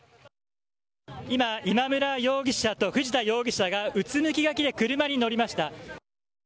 今、今村容疑者と藤田容疑者がうつむきがちに車に乗り込みました。